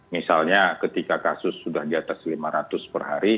misalnya ketika kasus sudah di atas lima ratus per hari